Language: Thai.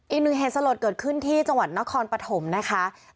อีกหนึ่งเหตุสลดเกิดขึ้นที่จังหวัดนครปฐมนะคะ